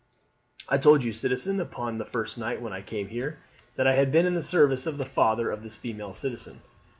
"I told you, citizen, upon the first night when I came here, that I had been in the service of the father of this female citizen.